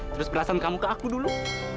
terus belasan kamu ke aku dulu